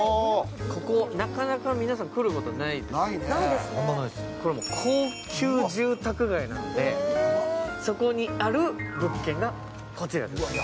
ここ、なかなか皆さん来ることないですね、高級住宅街なので、そこにある物件がこちらです。